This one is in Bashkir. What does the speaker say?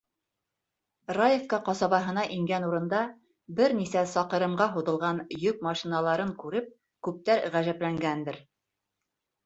Раевка ҡасабаһына ингән урында бер нисә саҡырымға һуҙылған йөк машиналарын күреп күптәр ғәжәпләнгәндер.